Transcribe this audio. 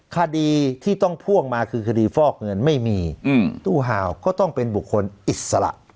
คดีที่ต้องพ่วงมาคือคดีฟอกเงินไม่มีตู้ห่าวก็ต้องเป็นบุคคลอิสระ